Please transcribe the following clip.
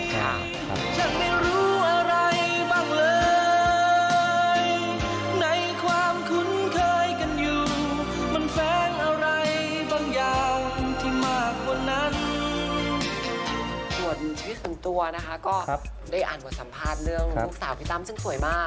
ส่วนชีวิตส่วนตัวนะคะก็ได้อ่านบทสัมภาษณ์เรื่องลูกสาวพี่ตั้มซึ่งสวยมาก